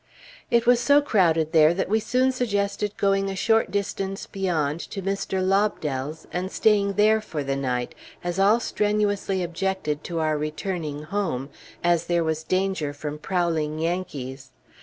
It was so crowded there that we soon suggested going a short distance beyond, to Mr. Lobdell's, and staying there for the night, as all strenuously objected to our returning home, as there was danger from prowling Yankees.